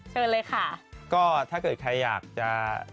เชิญเลยค่ะก็ถ้าเกิดใครอยากจะ